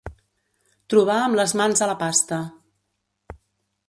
Trobar amb les mans a la pasta.